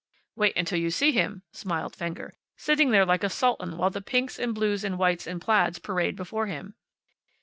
"Wait till you see him!" smiled Fenger, "sitting there like a sultan while the pinks and blues, and whites and plaids parade before him."